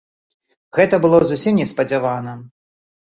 Гэта было зусім неспадзявана.